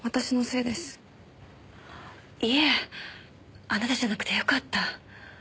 いえあなたじゃなくてよかった。